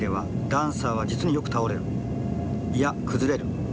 いや崩れる。